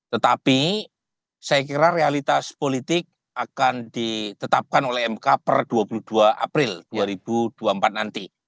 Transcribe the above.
tetapi saya kira realitas politik akan ditetapkan oleh mk per dua puluh dua april dua ribu dua puluh empat nanti